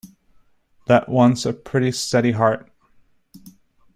That wants a pretty steady heart.